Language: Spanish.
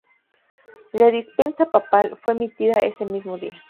La Dispensa Papal fue emitida ese mismo día.